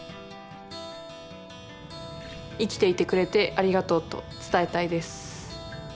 生きていてくれてありがとうと伝えたいです。